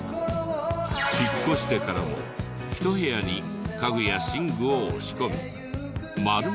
引っ越してからもひと部屋に家具や寝具を押し込み丸々